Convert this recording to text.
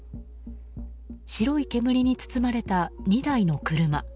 白い煙に包まれた２台の車。